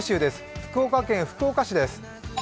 福岡県福岡市です。